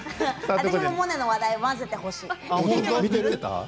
私もモネの話題混ぜてほしい。